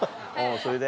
それで？